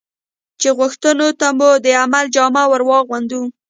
چې غوښتنو ته مو د عمل جامه ور واغوندي.